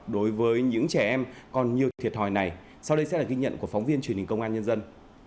đối với những trẻ em còn nhiều thiệt thòi này sau đây sẽ là ghi nhận của phóng viên truyền hình công an nhân dân